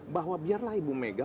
bahwa biarlah ibu mega